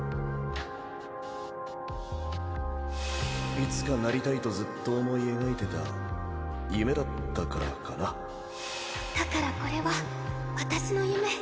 いつかなりたいとずっと思い描いてた夢だったからかなだからこれは私の夢